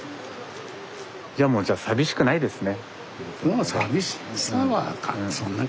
じゃあもうじゃあ寂しくないですね。